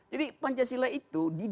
jadi pancasila itu di dalam dirinya